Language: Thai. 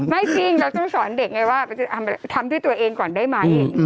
ไม่จริงเราต้องสอนเด็กไงว่าทำด้วยตัวเองก่อนได้ไหม